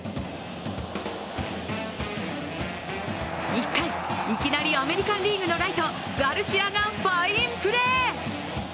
１回、いきなりアメリカン・リーグのライト・ガルシアがファインプレー！